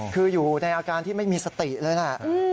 คืออยู่ในอาการที่ไม่มีสติเลยแหละ